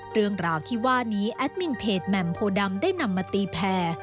เรื่องราวที่ว่านี้แอดมินเพจแหม่มโพดำได้นำมาตีแผ่